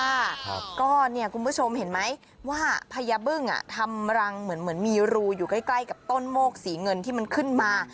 ครับก็เนี่ยคุณผู้ชมเห็นไหมว่าพญาบึ้งอ่ะทำรังเหมือนเหมือนมีรูอยู่ใกล้ใกล้กับต้นโมกสีเงินที่มันขึ้นมา